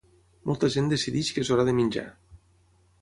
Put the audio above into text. Molta gent decideix que és hora de menjar.